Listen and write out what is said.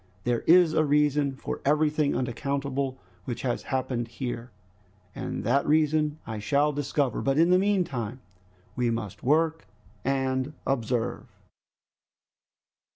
There is a reason for everything unaccountable which has happened here, and that reason I shall discover. But in the meantime we must work and observe."